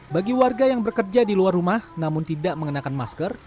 bagi warga yang bekerja di luar rumah namun tidak mengenakan masker